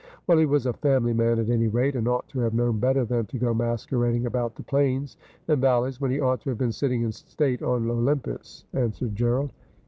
' Well, he was a family man at any rate, and ought to have known better than to go masquerading about the plains and valleys when he ought to have been sitting in state on Olympus,' answered Gerald.